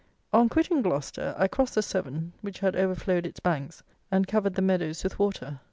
On quitting Gloucester I crossed the Severne, which had overflowed its banks and covered the meadows with water.